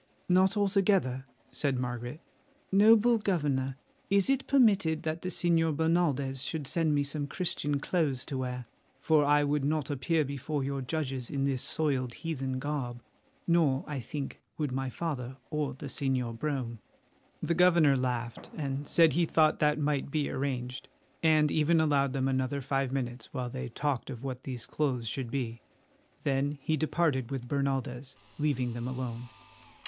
"Not altogether," said Margaret. "Noble Governor, is it permitted that the Señor Bernaldez should send me some Christian clothes to wear, for I would not appear before your judges in this soiled heathen garb, nor, I think, would my father or the Señor Brome?" The governor laughed, and said he thought that might be arranged, and even allowed them another five minutes, while they talked of what these clothes should be. Then he departed with Bernaldez, leaving them alone.